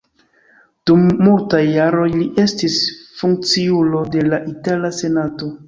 Dum multaj jaroj li estis funkciulo de la itala senato.